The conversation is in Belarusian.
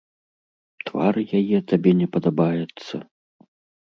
Твар яе табе не падабаецца?